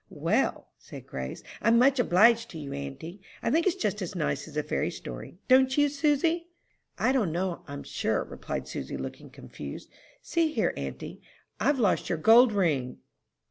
"Well," said Grace, "I'm much obliged to you, auntie; I think it's just as nice as a fairy story don't you, Susy?" "I don't know, I'm sure," replied Susy, looking confused. "See here, auntie, I've lost your gold ring!"